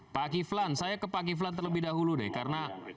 pak kiflan saya ke pak kiflan terlebih dahulu deh karena